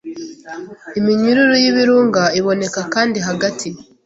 Iminyururu y'ibirunga iboneka kandi hagati